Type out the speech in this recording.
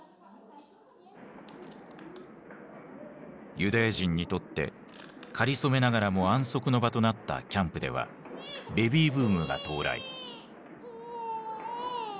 ユダヤ人にとってかりそめながらも安息の場となったキャンプではベビーブームが到来。